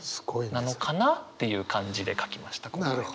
なのかな？っていう感じで書きましたこれは。